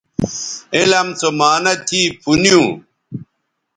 علم سو معانہ تھی پُھنیوں